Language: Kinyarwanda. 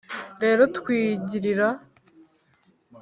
rero twigirira